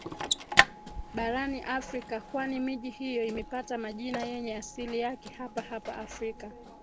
barani Afrika kwani miji hiyo imepata majina yenye asili yake hapa hapa Afrika